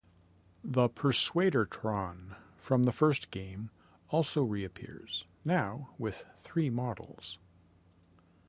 The Persuadertron from the first game also re-appears, now with three models.